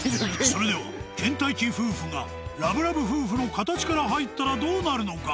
それでは倦怠期夫婦がラブラブ夫婦の形から入ったらどうなるのか？